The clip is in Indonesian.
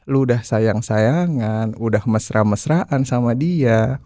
lu udah sayang sayangan udah mesra mesraan sama dia